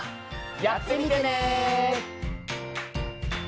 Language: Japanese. やってみてね。